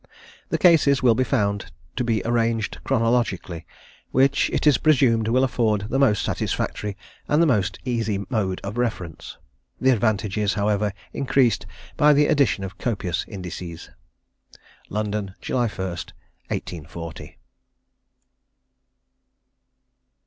The cases will be found to be arranged chronologically, which, it is presumed, will afford the most satisfactory and the most easy mode of reference. This advantage is, however, increased by the addition of copious indices. LONDON, JULY 1, 1840. CONTENTS. NOTE.